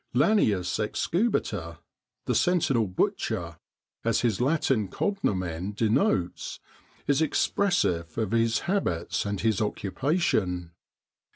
Lanius excubiter, the ' Sen tinel butcher,' as his Latin cognomen denotes, is expressive of his habits and his occupation.